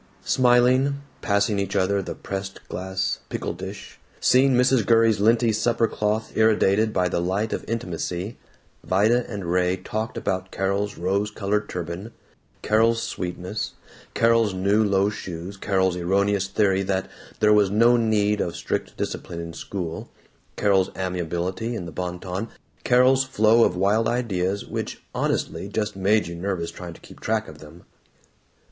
Smiling, passing each other the pressed glass pickle dish, seeing Mrs. Gurrey's linty supper cloth irradiated by the light of intimacy, Vida and Raymie talked about Carol's rose colored turban, Carol's sweetness, Carol's new low shoes, Carol's erroneous theory that there was no need of strict discipline in school, Carol's amiability in the Bon Ton, Carol's flow of wild ideas, which, honestly, just simply made you nervous trying to keep track of them.